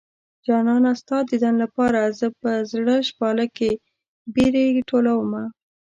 جانانه ستا ديدن لپاره زه په زړه شپاله کې بېرې ټولومه